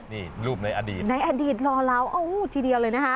นี่รูปในอดีตในอดีตรอเล้าทีเดียวเลยนะคะ